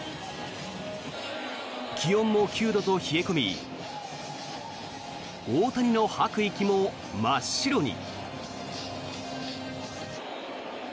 気温も９度と冷え込み大谷の吐く息も真っ白に。